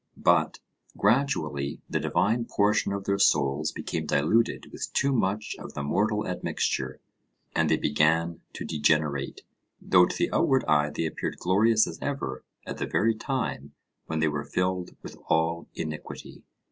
But gradually the divine portion of their souls became diluted with too much of the mortal admixture, and they began to degenerate, though to the outward eye they appeared glorious as ever at the very time when they were filled with all iniquity.